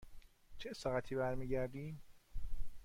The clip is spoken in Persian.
چه ساعتی برمی گردیم؟